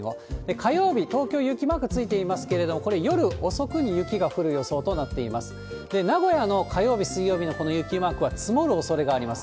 火曜日、東京、雪マークついてますけれども、これ、夜遅くに雪が降る予想となっています。